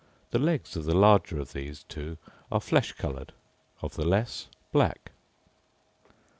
The legs of the larger of these two are flesh coloured; of the less, black.